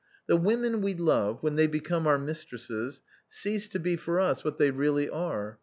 The women we love, when they become our mistresses, cease to be for us what they really are.